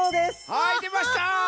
はいでました！